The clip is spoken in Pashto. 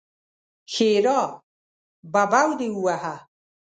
ښېرا: ببو دې ووهه!